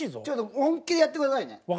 ちょっと本気でやってくださいね。